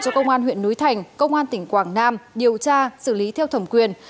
cho công an huyện núi thành công an tỉnh quảng nam điều tra xử lý theo thẩm quyền